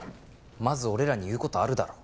まず俺らに言う事あるだろ。